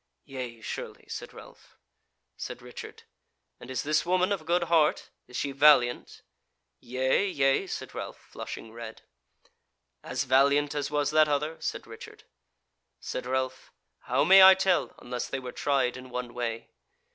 "Yea, surely," said Ralph. Said Richard: "And is this woman of a good heart? Is she valiant?" "Yea, yea," said Ralph, flushing red. "As valiant as was that other?" said Richard. Said Ralph: "How may I tell, unless they were tried in one way?"